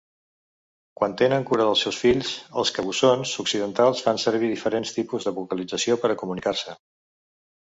Quan tenen cura del seus fills, els cabussons occidentals fan servir diferents tipus de vocalització per a comunicar-se.